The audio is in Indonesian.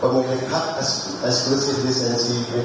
pertama yang terakhir adalah nobar dipersilakan sepanjang